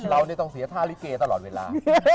เราต้องเสียท่าลิเกตลอดเวลา